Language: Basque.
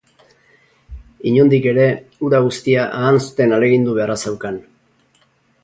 Inondik ere hura guztia ahanzten ahalegindu beharra zeukan.